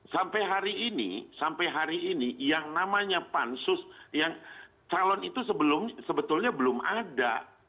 sampai hari ini sampai hari ini yang namanya pansus yang calon itu sebetulnya belum ada